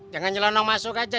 jangan nyelonong masuk aja